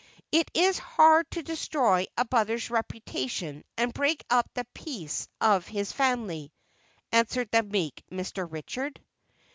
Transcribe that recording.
"It is hard to destroy a brother's reputation and break up the peace of his family," answered the meek Mr. Richard.